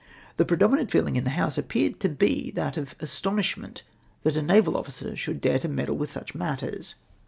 The predominant feehng in the House appeared to be that of astonishment that a naval officer should dare to meddle with such matters.